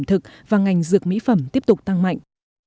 thực và ngành dược mỹ phẩm tiếp tục tăng mạnh